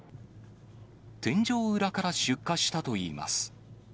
天井裏から出火したといいます。